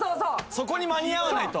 そこに間に合わないと。